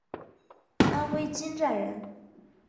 安徽金寨人。